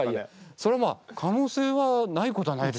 それはまあ可能性はないことはないでしょう。